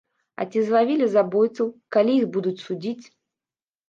А ці злавілі забойцаў, калі іх будуць судзіць?